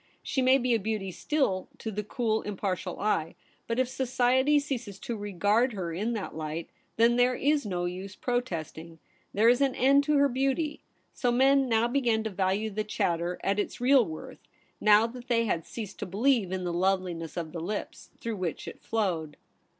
She may be a beauty still to the cool, impartial eye ; but if society ceases to regard her in that light, then there is no use protesting ; there is an end to her beauty. So men now began to value the chatter at its real worth, now that they had ceased to believe in the loveliness of the lips through which it flowed.